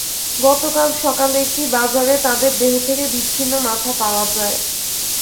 গতকাল সকালে একটি বাজারে তাঁদের দেহ থেকে বিচ্ছিন্ন মাথা পাওয়া যায়।